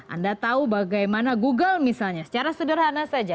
anda tahu bagaimana google misalnya secara sederhana saja